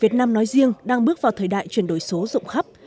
việt nam nói riêng đang bước vào thời đại chuyển đổi số rộng khắp